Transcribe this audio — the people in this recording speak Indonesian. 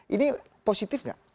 ini positif nggak